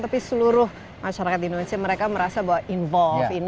tapi seluruh masyarakat indonesia mereka merasa bahwa involve ini